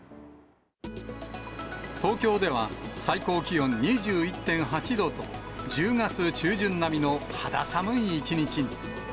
東京では最高気温２１．８度と、１０月中旬並みの肌寒い一日に。